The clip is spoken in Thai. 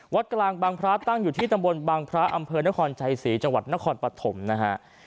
วัดกลางบางพระตั้งอยู่ที่ตำบลบังพระอำเภอนครชัยศรีจังหวัดนครปฐมนะฮะ